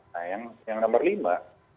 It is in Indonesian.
nah yang nomor lima